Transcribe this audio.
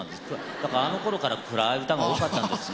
だからあのころから暗い歌が多かったんですね。